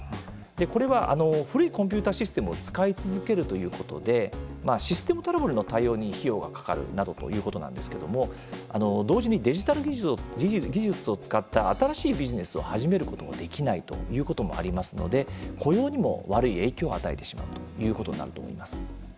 これは古いコンピューターシステムを使い続けるということでシステムトラブルの対応に費用がかかるなどということなんですけども同時にデジタル技術を使った新しいビジネスを始めることができないということもありますので雇用にも悪い影響を与えてしまうということになると思います。